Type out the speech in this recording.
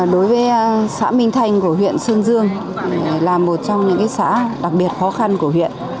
đối với xã minh thanh của huyện sơn dương là một trong những xã đặc biệt khó khăn của huyện